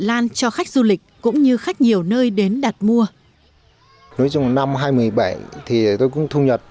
lan cho khách du lịch cũng như khách nhiều nơi đến đặt mua nói chung năm hai nghìn một mươi bảy thì tôi cũng thu nhập